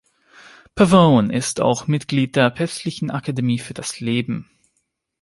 Pavone ist auch Mitglied der Päpstlichen Akademie für das Leben.